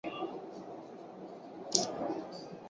字根是字形类中文输入法拆字的基本形状单位。